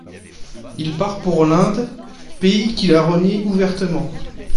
Il part pour l’Inde, pays qu’il a renié ouvertement.